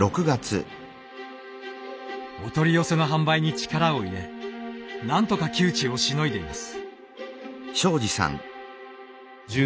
お取り寄せの販売に力を入れ何とか窮地をしのいでいます。